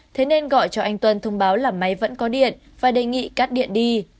thế nên gọi cho anh tuân thông báo là máy vẫn có điện và đề nghị cắt điện đi